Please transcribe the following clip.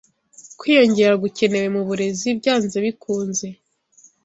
Kwiyongera gukenewe mu burezi byanze bikunze